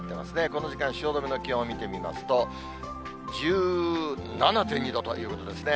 この時間、汐留の気温を見てみますと、１７．２度ということですね。